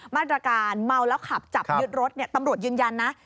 มาตรการเมาแล้วขับจับยึดรถตำรวจยืนยันนะ